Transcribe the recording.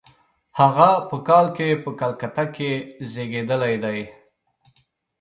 هغه په کال کې په کلکته کې زېږېدلی دی.